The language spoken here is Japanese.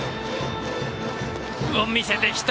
見せてきた！